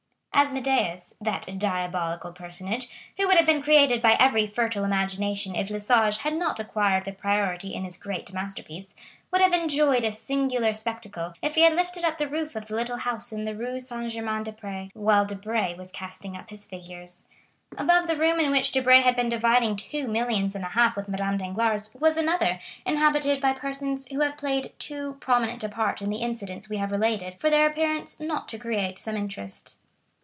Asmodeus—that diabolical personage, who would have been created by every fertile imagination if Le Sage had not acquired the priority in his great masterpiece—would have enjoyed a singular spectacle, if he had lifted up the roof of the little house in the Rue Saint Germain des Prés, while Debray was casting up his figures. Above the room in which Debray had been dividing two millions and a half with Madame Danglars was another, inhabited by persons who have played too prominent a part in the incidents we have related for their appearance not to create some interest.